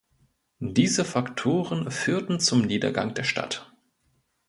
Diese Faktoren führten zum Niedergang der Stadt.